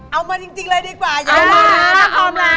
เอามาจริงเลยดีกว่า